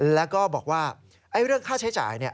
แล้วก็บอกว่าเรื่องค่าใช้จ่าย